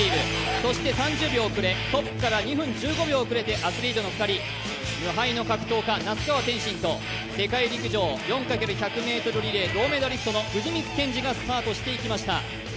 そして３０秒遅れ、トップから２５秒遅れてアスリートの２人、無敗の格闘家、那須川天心と世界陸上４×１００ｍリレー藤光謙司がスタートしていきました。